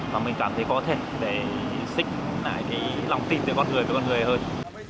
mà mình cảm thấy có thể để xích lại cái lòng tin giữa con người với con người hơn